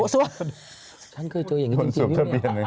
ฉันเคยเจออย่างนี้จริงอย่างนี้